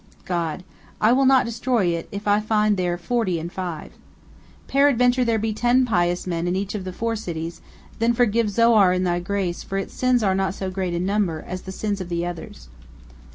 God: "I will not destroy it, if I find there forty and five." Abraham: "Peradventure there be ten pious in each of the four cities, then forgive Zoar in Thy grace, for its sins are not so great in number as the sins of the others."